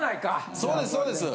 そうですそうです。